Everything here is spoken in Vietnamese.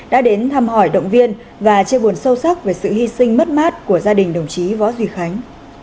đã đến thăm hỏi động viên và chia buồn sâu sắc về sự hy sinh mất mát của gia đình đồng chí võ duy khánh